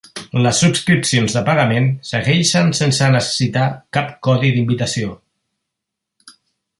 Les subscripcions de pagament segueixen sense necessitar cap codi d'invitació.